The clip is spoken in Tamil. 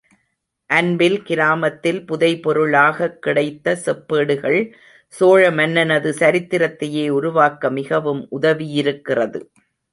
அன்பில் கிராமத்தில் புதை பொருளாகக் கிடைத்த செப்பேடுகள் சோழ மன்னனது சரித்திரத்தையே உருவாக்க மிகவும் உதவியிருக்கிறது.